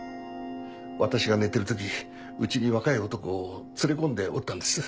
私が寝てる時家に若い男を連れ込んでおったんです。